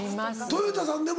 とよたさんでも？